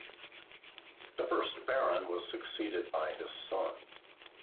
The first Baron was succeeded by his son.